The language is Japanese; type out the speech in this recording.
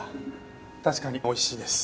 確かに美味しいです。